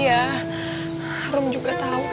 ya rum juga tahu pak